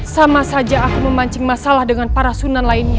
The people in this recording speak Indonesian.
sama saja aku memancing masalah dengan para sunan lainnya